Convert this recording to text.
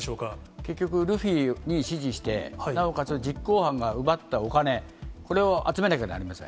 結局、ルフィに指示して、なおかつ実行犯が奪ったお金、これを集めなきゃなりません。